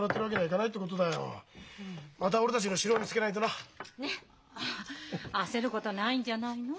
あっ焦ることないんじゃないの？